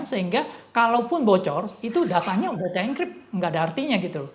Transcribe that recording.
sehingga kalaupun bocor itu datanya sudah di encrypt tidak ada artinya gitu